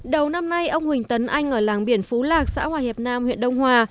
đầu năm nay ông huỳnh tấn anh ở làng biển phú lạc xã hòa hiệp nam huyện đông hòa